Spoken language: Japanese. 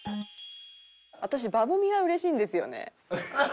私「バブみ」はうれしいんですよね。